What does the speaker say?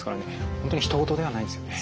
本当にひと事ではないですよね。